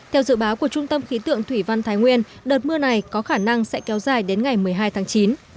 theo dự báo của trung tâm khí tượng thủy văn thái nguyên đợt mưa này có khả năng sẽ kéo dài đến ngày một mươi hai tháng chín